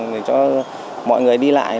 để cho mọi người đi lại